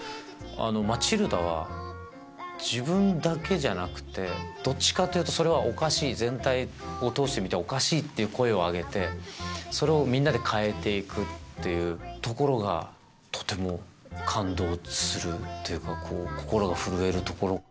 『マチルダ』は自分だけじゃなくてどっちかっていうと全体を通して見ておかしいっていう声を上げてそれをみんなで変えていくっていうところがとても感動するというか心が震えるところ。